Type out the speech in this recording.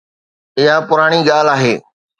اها پراڻي ڳالهه آهي.